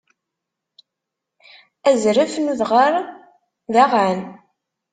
Azref n udɣar d aɣan?